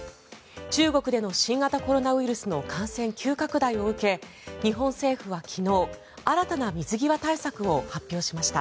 中国での新型コロナ感染急拡大を受け日本政府は昨日新たな水際対策を発表しました。